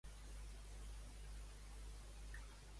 Parla'm de la notícia sobre la reunió de Putin i Xi Jinping.